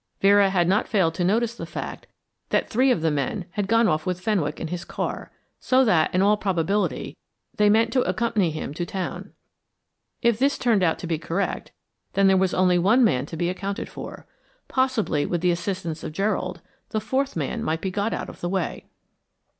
Vera had not failed to notice the fact that three of the men had gone off with Fenwick in his car, so that, in all probability, they meant to accompany him to town. If this turned out to be correct, then there was only one man to be accounted for. Possibly with the assistance of Gerald, the fourth man might be got out of the way.